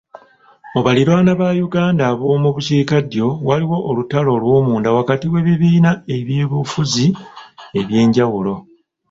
Mu baliraanwa ba Uganda ab'omu bukiikaddyo waliwo olutalo olwomunda wakati w'ebibiina by'ebyobufuzi ebyenjawulo.